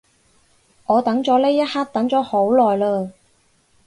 我等咗呢一刻等咗好耐嘞